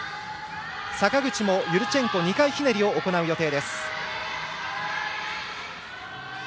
坂口もユルチェンコ２回ひねりを行う予定。